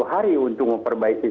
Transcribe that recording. tiga puluh hari untuk memperbaiki